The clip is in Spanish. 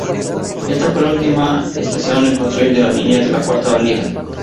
Esta fue la última estación en construir de la línea de la Cuarta Avenida.